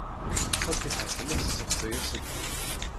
Fatiḥa tella tesseɣsay aselkim.